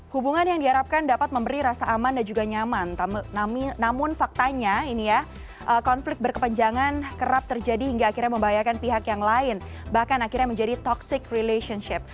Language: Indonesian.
hubungan yang diharapkan dapat memberi rasa aman dan juga nyaman namun faktanya ini ya konflik berkepanjangan kerap terjadi hingga akhirnya membahayakan pihak yang lain bahkan akhirnya menjadi toxic relationship